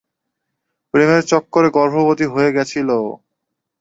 প্রেমের চক্করে গর্ভবতী হয়ে গেছিল।